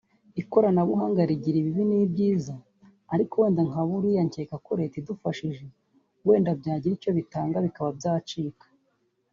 Ikoranabuhanga rigira ibibi n’ibyiza ariko nkaburiye wenda nkeka ko leta idufashije wenda byagira icyo bitanga bikaba byacika